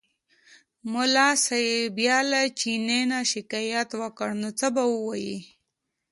ملا صاحب بیا له چیني نه شکایت وکړ نو څه به ووایي.